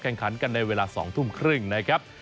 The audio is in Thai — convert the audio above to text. แข่งขันกันในเวลา๒ทุ่มครึ่งนะครับ